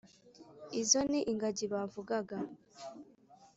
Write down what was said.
izo ni ingagi bavugaga.